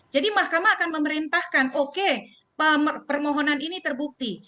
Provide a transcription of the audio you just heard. jadi mahkamah akan memerintahkan oke permohonan ini terbukti